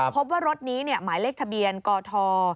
พบว่ารถนี้หมายเลขทะเบียนกท